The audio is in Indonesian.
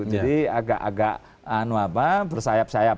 jadi agak agak bersayap sayap